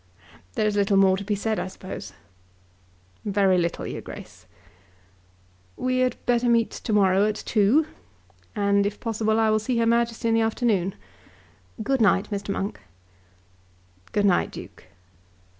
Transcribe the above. There is little more to be said, I suppose." "Very little, your Grace." "We had better meet to morrow at two, and, if possible, I will see her Majesty in the afternoon. Good night, Mr. Monk." "Good night, Duke."